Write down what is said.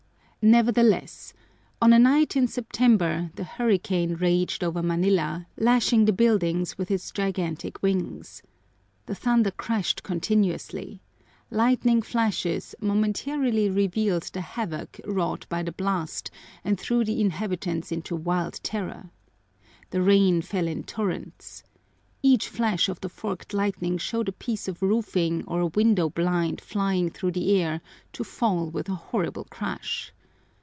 Nevertheless: On a night in September the hurricane raged over Manila, lashing the buildings with its gigantic wings. The thunder crashed continuously. Lightning flashes momentarily revealed the havoc wrought by the blast and threw the inhabitants into wild terror. The rain fell in torrents. Each flash of the forked lightning showed a piece of roofing or a window blind flying through the air to fall with a horrible crash.